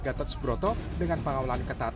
yang dilakukan sehat